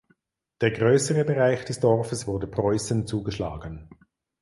Der größere Bereich des Dorfes wurde Preußen zugeschlagen.